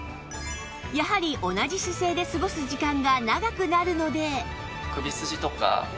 やはり同じ姿勢で過ごす時間が長くなるので